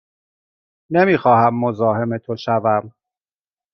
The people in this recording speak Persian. نمی خواهم مزاحم تو شوم.